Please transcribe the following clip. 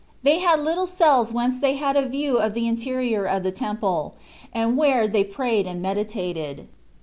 They had little cells whence they had a view of the in terior of the Temple, and where they 2 2 ZTbe IRativitt? ot prayed and meditated.